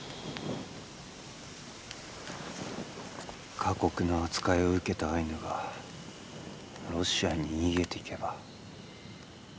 過酷な扱いを受けたアイヌがロシアに逃げてゆけば。